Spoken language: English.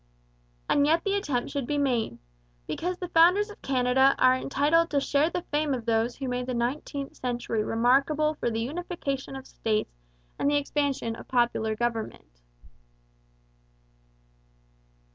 And yet the attempt should be made, because the founders of Canada are entitled to share the fame of those who made the nineteenth century remarkable for the unification of states and the expansion of popular government.